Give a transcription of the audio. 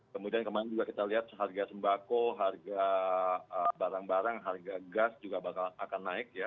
kemudian kemarin juga kita lihat seharga sembako harga barang barang harga gas juga bakal akan naik ya